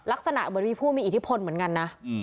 ลักษณะเหมือนมีผู้มีอิทธิพลเหมือนกันนะ